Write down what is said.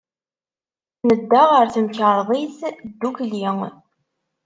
Nedda ɣer temkarḍit ddukkli.